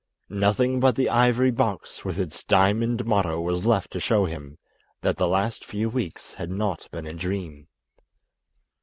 Nothing but the ivory box with its diamond motto was left to show him that the last few weeks had not been a dream.